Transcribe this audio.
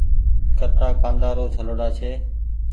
ڪٽآ کآنڊي رو ڇلوڙآ چي۔